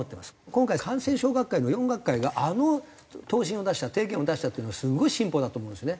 今回感染症学会の４学会があの答申を出した提言を出したっていうのがすごい進歩だと思うんですね。